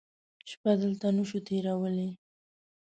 شپه دلته نه شو تېرولی.